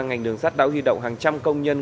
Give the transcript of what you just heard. ngành đường sắt đã huy động hàng trăm công nhân